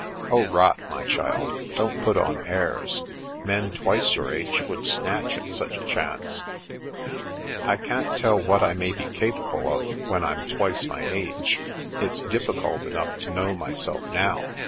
"Oh, rot, my child. Don't put on airs. Men twice your age would snatch at such a chance." " I can't tell what I may be capable of when I'm twice my age. It's difficult enough to know myself now.